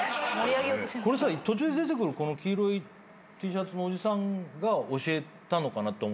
これさ途中で出てくるこの黄色いＴシャツのおじさんが教えたのかなと思って。